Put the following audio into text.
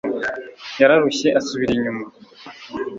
yararushye asubira inyuma